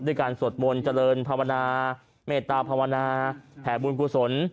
การสวดมนต์เจริญภาวนาเมตตาภาวนาแผ่บุญกุศล